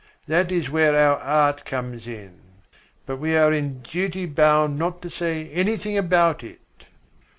That is where our art comes in. But we are in duty bound not to say anything about it."